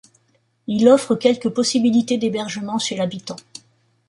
Il offre quelques possibilités d'hébergement chez l'habitant.